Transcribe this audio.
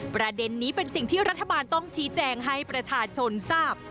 ประเด็นนี้เป็นสิ่งที่รัฐบาลต้องชี้แจงให้ประชาชนทราบ